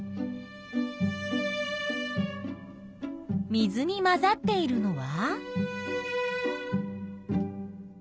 水に混ざっているのは？